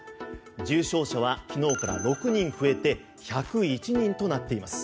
重症者は昨日から６人増えて１０１人となっています。